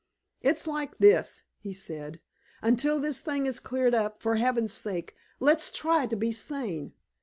"It's like this," he said, "until this thing is cleared up, for Heaven's sake, let's try to be sane!